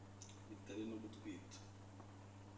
bitari no gutwita